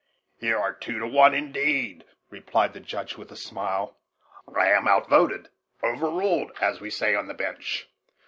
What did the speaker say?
"Here are two to one, indeed," replied the Judge with a smile; "I am outvoted overruled, as we say on the bench.